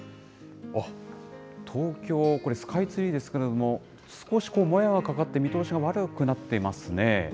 おっ、東京、これスカイツリーですけれども、少しもやがかかって、見通しが悪くなっていますね。